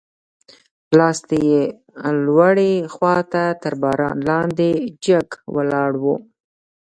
لاستي یې لوړې خواته تر باران لاندې جګ ولاړ و.